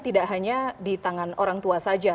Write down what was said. tidak hanya di tangan orang tua saja